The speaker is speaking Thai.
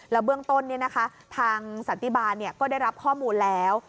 เบื้องต้นทางสันติบาลก็ได้รับข้อมูลแล้ว